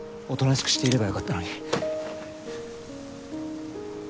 おとなしくしていればよかったのに。